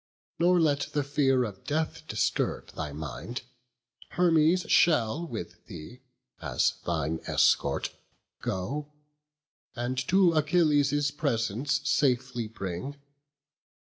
Nor let the fear of death disturb thy mind: Hermes shall with thee, as thine escort, go, And to Achilles' presence safely bring.